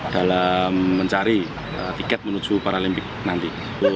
dalam mencari tiket menuju paralimpik nanti